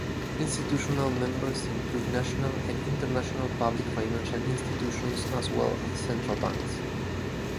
Institutional members include national and international public financial institutions as well as central banks.